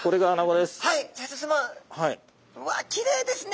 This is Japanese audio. うわっきれいですね！